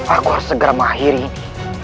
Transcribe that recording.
aku harus segera mengakhiri ini